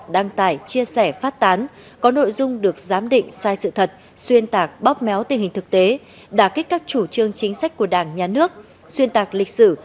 đăng tải chia sẻ phát tán có nội dung được giám định sai sự thật xuyên tạc bóp méo tình hình thực tế đà kích các chủ trương chính sách của đảng nhà nước xuyên tạc lịch sử